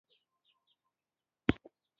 خالي خُمرې لرې غورځول کېدې.